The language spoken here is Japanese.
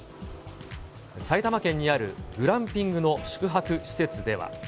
埼玉県にあるグランピングの宿泊